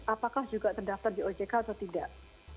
apakah juga terdaftar di ojk atau tidak